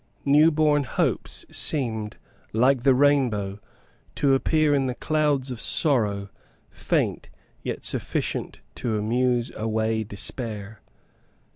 New born hopes seemed, like the rainbow, to appear in the clouds of sorrow, faint, yet sufficient to amuse away despair.